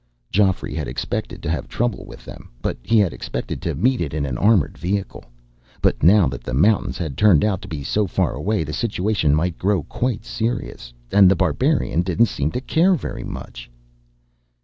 Geoffrey had expected to have trouble with them but he had expected to meet it in an armored vehicle. But now that the mountains had turned out to be so far away, the situation might grow quite serious. And The Barbarian didn't seem to care very much.